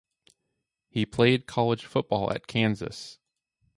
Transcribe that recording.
He played college football at Kansas.